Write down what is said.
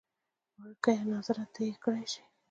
وړکیه ناظره ته یې کړی شې.